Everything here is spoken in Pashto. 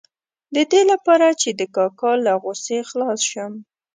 د دې لپاره چې د کاکا له غوسې خلاص شم.